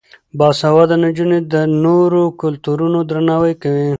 باسواده نجونې د نورو کلتورونو درناوی کوي.